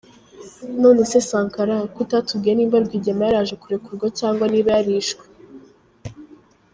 None se Sankara, ko utatubwiye niba Rwigema yaraje kurekurwa, cyangwa niba yarishwe?